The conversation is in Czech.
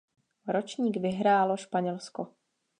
Ročník vyhrálo Španělsko.